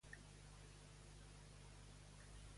Quina relació tenien Aristogitó i Harmodi?